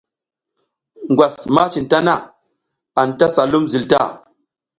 Ngwas ma cin mi tana, anta sa lum zil ta.